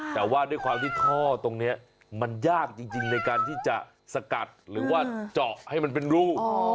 แต่ว่าด้วยความที่ท่อตรงนี้มันยากจริงในการที่จะสกัดหรือว่าเจาะให้มันเป็นรู